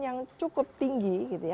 yang cukup tinggi